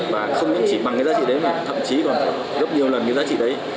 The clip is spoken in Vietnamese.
và không chỉ bằng cái giá trị đấy mà thậm chí còn gấp nhiều lần cái giá trị đấy